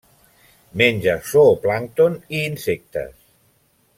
Menja zooplàncton i insectes.